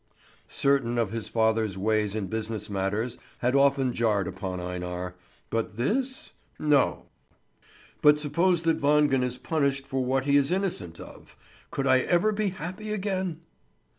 Certain of his father's ways in business matters had often jarred upon Einar. But this? No! "But suppose that Wangen is punished for what he is innocent of? Could I ever be happy again?"